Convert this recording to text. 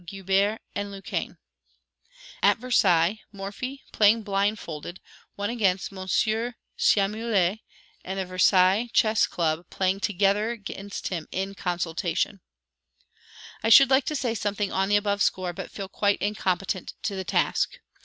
Guibert and Lequesne. At Versailles, Morphy, playing blindfolded, won against Monsieur Chamouillet and the Versailles Chess Club playing together against him, in consultation. I should like to say something on the above score, but feel quite incompetent to the task.